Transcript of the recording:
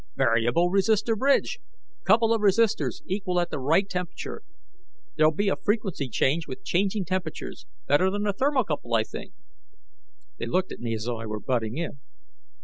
"Variable resistor bridge. Couple of resistors equal at the right temperature. There'll be a frequency change with changing temperature better than a thermocouple, I think." They looked at me as though I were butting in.